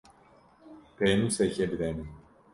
Pênûsekê bide min.